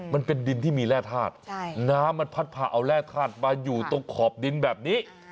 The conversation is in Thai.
มันเป็นดินที่มีแร่ธาตุน้ำมันพัดผ่าเอาแร่ธาตุมาอยู่ตรงขอบดินแบบนี้